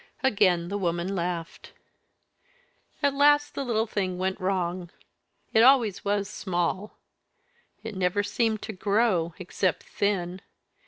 Again the woman laughed. "At last the little thing went wrong. It always was small; it never seemed to grow except thin.